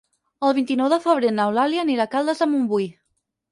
El vint-i-nou de febrer n'Eulàlia anirà a Caldes de Montbui.